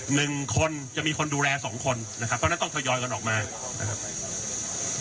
หนึ่งคนจะมีคนดูแลสองคนนะครับเพราะฉะนั้นต้องทยอยกันออกมานะครับ